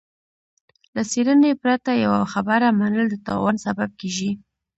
له څېړنې پرته يوه خبره منل د تاوان سبب کېږي.